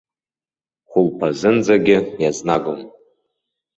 Хәылԥазынӡагьы иазнагом.